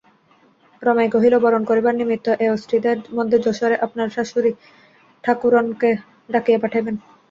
রমাই কহিল, বরণ করিবার নিমিত্ত এয়োস্ত্রীদের মধ্যে যশোরে আপনার শাশুড়ীঠাকরুনকে ডাকিয়া পাঠাইবেন।